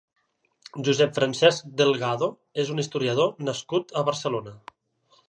Josep-Francesc Delgado és un historiador nascut a Barcelona.